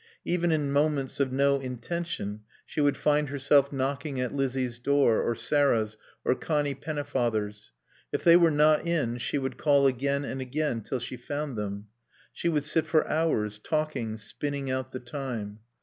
Even in moments of no intention she would find herself knocking at Lizzie's door or Sarah's or Connie Pennefather's. If they were not in she would call again and again, till she found them. She would sit for hours, talking, spinning out the time.